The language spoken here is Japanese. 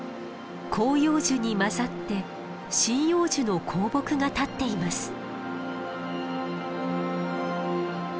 広葉樹に混ざって針葉樹の高木が立っています。